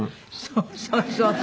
そうそうそうそう。